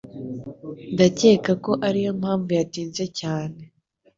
Ndakeka ko ariyo mpamvu yatinze cyane.